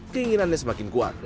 keinginannya semakin kuat